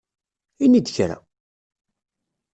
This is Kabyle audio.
Ini-d kra!